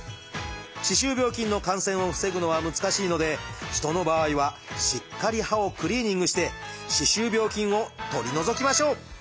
歯周病菌の感染を防ぐのは難しいので人の場合はしっかり歯をクリーニングして歯周病菌を取り除きましょう。